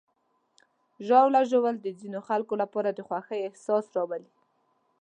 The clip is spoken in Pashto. ژاوله ژوول د ځینو خلکو لپاره د خوښۍ احساس راولي.